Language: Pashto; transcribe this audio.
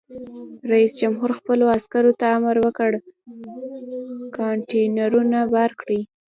رئیس جمهور خپلو عسکرو ته امر وکړ؛ کانټینرونه بار کړئ!